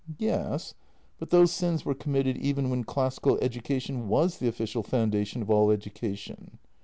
" Yes, but those sins were committed even when classical education was the official foundation of all education."